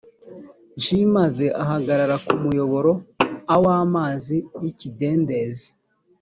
nshi maze ahagarara ku muyoboro a w amazi y ikidendezi